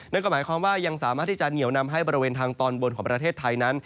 นั่นก็หมายความว่ายังสามารถที่จะเหนียวนำให้บริเวณทางตอนบนของประเทศไทยนั้น